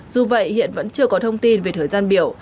dù vậy hiện vẫn chưa có thông tin về thời gian biểu